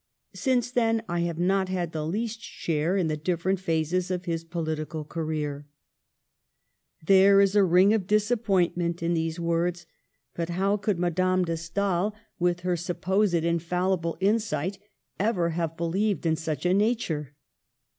Since then I have not had the least share in the different phases of his political career." There is a ring of disappointment in these words ; but how could Madame de Stael, with 6 Digitized by VjOOQIC 82 MADAME DE STAML. her supposed infallible insight, ever have believed in such a nature